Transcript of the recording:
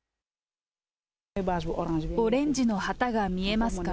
オレンジの旗が見えますか？